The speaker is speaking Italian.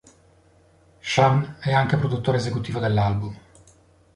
Shawn è anche produttore esecutivo dell'album.